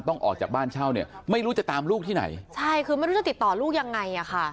ออกจากบ้านเช่าเนี่ยไม่รู้จะตามลูกที่ไหนใช่คือไม่รู้จะติดต่อลูกยังไงอ่ะค่ะ